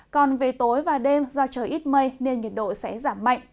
còn về tối và đêm do trời ít mây nên nhiệt độ sẽ giảm mạnh